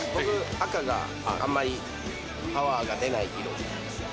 赤があんまりパワーが出ない色なんですよ。